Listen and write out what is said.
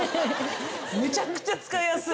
めちゃくちゃ使いやすい。